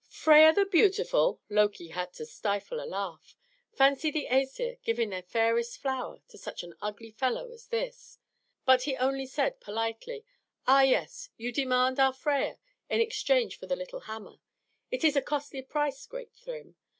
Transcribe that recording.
"Freia the beautiful!" Loki had to stifle a laugh. Fancy the Æsir giving their fairest flower to such an ugly fellow as this! But he only said politely, "Ah, yes; you demand our Freia in exchange for the little hammer? It is a costly price, great Thrym.